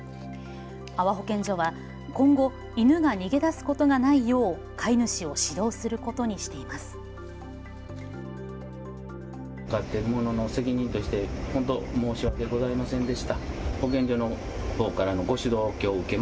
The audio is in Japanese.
安房保健所は今後、犬が逃げ出すことがないよう飼い主を指導することにしています。